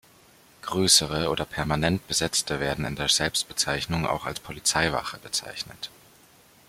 Grössere oder permanent besetzte werden in der Selbstbezeichnung auch als "Polizeiwache" bezeichnet.